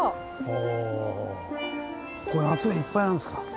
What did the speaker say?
これ夏いっぱいなんですか？